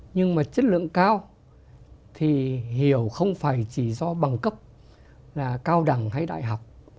nhưng mà chất lượng cao thì hiểu không phải chỉ do bằng cấp là cao đẳng hay đại học